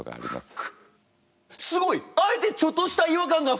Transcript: すごい！あえてちょっとした違和感がフック！